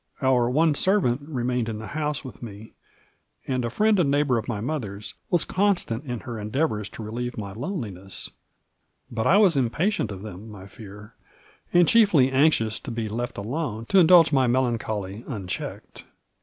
Our one servant remained in the house with me, and a friend and neighbor of my mother^s was constant in her endeavors to relieve my loneliness, but I was impa tient of them, I fear, and chiefly anxious to be left alone to indulge my melancholy unchecked.